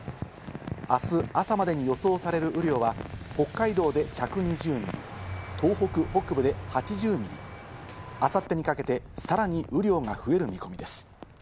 明日朝までに予想される雨量は北海道で１２０ミリ、東北北部で８０ミリ、明後日にかけてさらに雨量が増える見込みです。